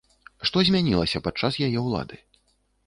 Што змянілася падчас яе ўлады?